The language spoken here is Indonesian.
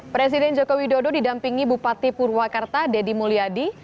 presiden joko widodo didampingi bupati purwakarta deddy mulyadi